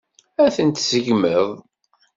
Ad tent-tseggmeḍ?